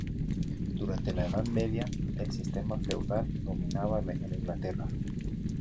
Durante la Edad Media, el sistema feudal dominaba en Inglaterra.